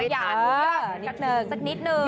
อ๋ออย่าลืมกะทินสักนิดนึง